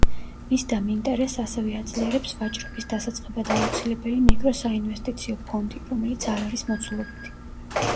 მისდამი ინტერესს ასევე აძლიერებს ვაჭრობის დასაწყებად აუცილებელი, მიკრო საინვესტიციო ფონდი, რომელიც არ არის მოცულობითი.